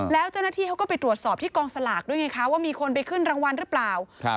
แล้วเจ้าหน้าที่เขาก็ไปตรวจสอบที่กองสลากด้วยไงคะว่ามีคนไปขึ้นรางวัลหรือเปล่า